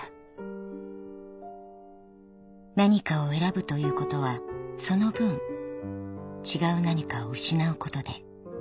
［何かを選ぶということはその分違う何かを失うことで］